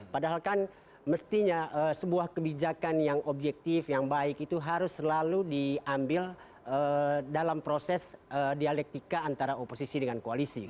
padahal kan mestinya sebuah kebijakan yang objektif yang baik itu harus selalu diambil dalam proses dialektika antara oposisi dengan koalisi